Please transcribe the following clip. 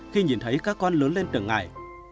khi nhìn thấy các con lớn lên tường ngại